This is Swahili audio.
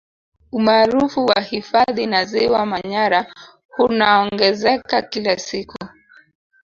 Umaarufu wa hifadhi na Ziwa Manyara hunaongezeka kila siku